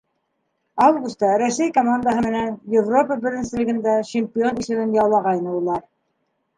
Августа Рәсәй командаһы менән Европа беренселегендә чемпион исемен яулағайны улар.